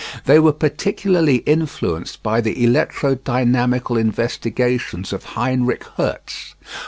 They were particularly influenced by the electro dynamical investigations of Heinrich Hertz.